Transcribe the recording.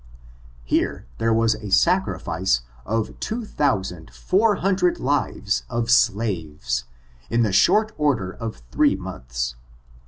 Here there was a sacrifice of two thousand four hundred lives of slaves, in the short space of three months.